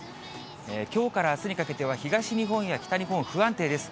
きょうからあすにかけては、東日本や北日本、不安定です。